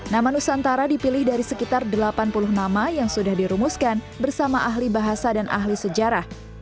nama nusantara dipilih dari sekitar delapan puluh nama yang sudah dirumuskan bersama ahli bahasa dan ahli sejarah